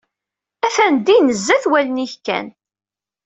Ata din zzat wallen-ik kan.